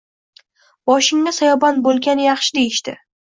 Boshinga soyabon bo`lgani yaxshi deyishdi